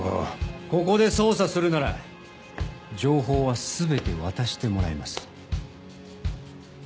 ここで捜査するなら情報は全て渡してもらいます。